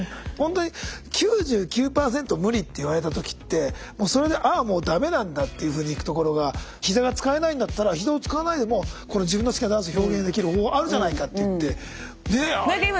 ほんとに「９９％無理」って言われた時ってもうそれで「ああもう駄目なんだ」っていうふうにいくところがひざが使えないんだったらひざを使わないでも自分の好きなダンスを表現できる方法あるじゃないかって言ってねえ。